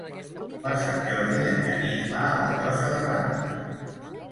Per Sant Jordi en Genís va a la Llosa de Ranes.